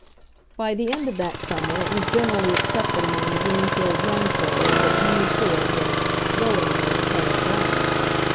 By the end of that summer it was generally accepted among the Greenfield young folks that Henry Ford was "going with" Clara Bryant.